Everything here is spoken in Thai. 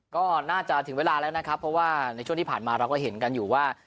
ก็น่าจะถึงเวลาแล้วนะครับเพราะว่าในช่วงที่ผ่านมาเราก็เห็นกันอยู่ว่า